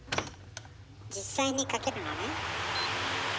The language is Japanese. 実際にかけるのね。